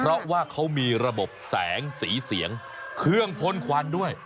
เพราะว่าเขามีระบบแสงสีเสียงเครื่องพ่นควันด้วย